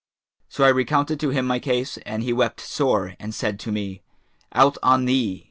So I recounted to him my case and he wept sore and said to me, 'Out on thee!